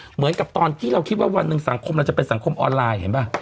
เหมือนกับตอนที่เราคิดว่าวันหนึ่งสังคมเราจะเป็นสังคมออนไลน์เห็นป่ะ